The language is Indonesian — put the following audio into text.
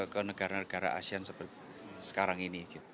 ke negara negara asean seperti sekarang ini